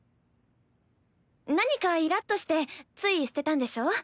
何かイラッとしてつい捨てたんでしょ？